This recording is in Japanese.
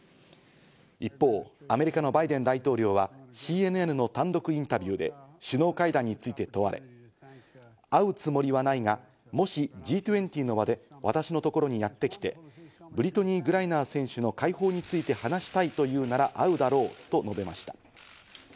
一方、アメリカのバイデン大統領はＣＮＮの単独インタビューで、首脳会談について問われ、会うつもりはないが、もしＧ２０の場で私のところにやってきて、ブリトニー・グライナー選手の開放について、話したいというなら会うだろうと述べました。